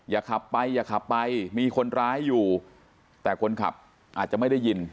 อย่าขับไปอย่าขับไปมีคนร้ายอยู่แต่คนขับอาจจะไม่ได้ยิน